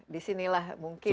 di sinilah mungkin